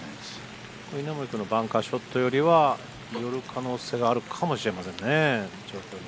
稲森君のバンカーショットよりは寄る可能性があるかもしれませんよね